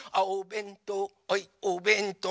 はいおべんとう！」